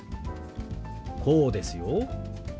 こうですよ。